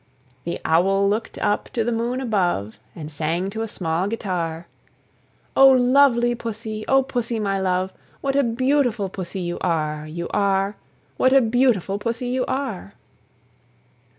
The Owl looked up to the moon above, And sang to a small guitar, "O lovely Pussy! O Pussy, my love! What a beautiful Pussy you are, You are, What a beautiful Pussy you are!"